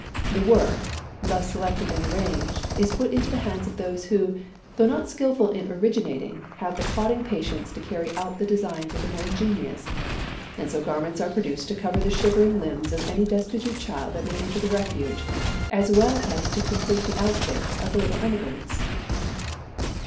The work, thus selected and arranged, is put into the hands of those who, though not skilful in originating, have the plodding patience to carry out the designs of the more ingenious, and so garments are produced to cover the shivering limbs of any destitute child that may enter the Refuge as well as to complete the outfits of the little emigrants."